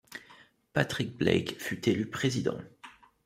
Patrick Blake fut élu président.